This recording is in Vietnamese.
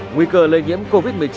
nguy cơ lây nhiễm covid một mươi chín